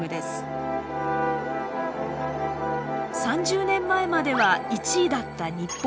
３０年前までは１位だった日本。